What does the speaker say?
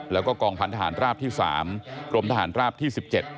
แล้วก็กองพันธหารราบที่๓กรมทหารราบที่๑๗